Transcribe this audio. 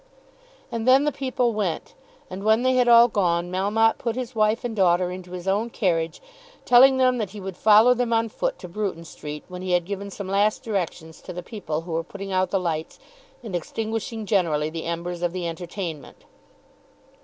And then the people went, and when they had all gone Melmotte put his wife and daughter into his own carriage, telling them that he would follow them on foot to Bruton Street when he had given some last directions to the people who were putting out the lights, and extinguishing generally the embers of the entertainment.